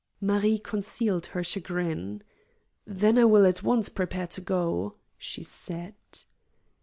Marie concealed her chagrin. "Then I will at once prepare to go," she said.